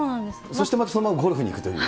そしてまたそのままゴルフに行くという。